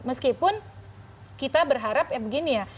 meskipun kita berharap ya begini ya